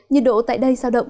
nhiệt độ tại đây sao động